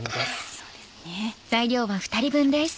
そうですね。